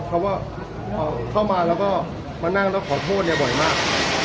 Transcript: เขาก็เข้ามาแล้วก็มานั่งแล้วขอโทษเนี่ยบ่อยมาก